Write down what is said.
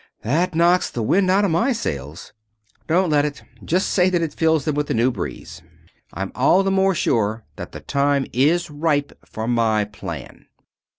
"That knocks the wind out of my sails." "Don't let it. Just say that it fills them with a new breeze. I'm all the more sure that the time is ripe for my plan."